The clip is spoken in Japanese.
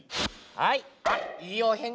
はい。